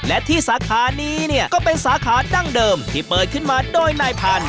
และที่สาขานี้เนี่ยก็เป็นสาขาดั้งเดิมที่เปิดขึ้นมาโดยนายพันธ